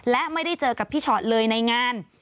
และไม่ได้เจอกับพี่ชอตเลยในงาน